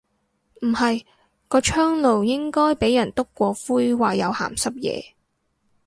唔係，個窗爐應該俾人篤過灰話有鹹濕野。